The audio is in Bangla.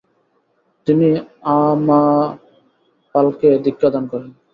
তিনি আ-মা-দ্পালকে দীক্ষাদান করেন।